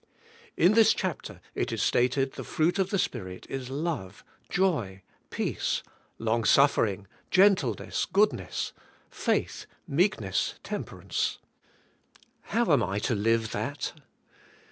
In this chapter it is stated the fruit of the Spirit is love, joy, peace, long" suffering", gentleness, goodness, faith, meekness, temperance. How am I to live that?